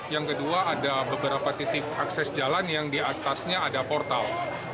yang kedua ada beberapa titik akses jalan yang diatasnya ada portal